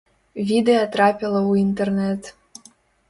Відэа трапіла ў інтэрнэт.